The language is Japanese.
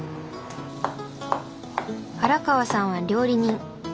原川さんは料理人。